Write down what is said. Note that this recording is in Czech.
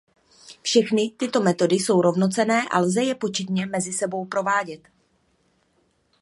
Všechny tyto metody jsou rovnocenné a lze je početně mezi sebou převádět.